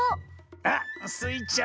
あっスイちゃん